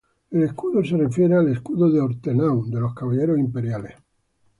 El escudo se refiere al escudo de Ortenau de los caballeros imperiales.